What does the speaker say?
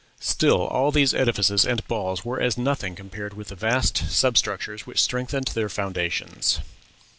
Still, all these edifices and halls were as nothing compared with the vast substructures which strengthened their foundations."